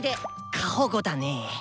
過保護だねぇ。